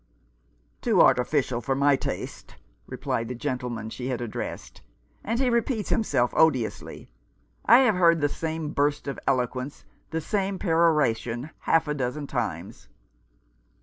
" Too artificial for my taste," replied the gentle man she had addressed, "and he repeats himself odiously. I have heard the same burst of elo quence — the same peroration — half a dozen times."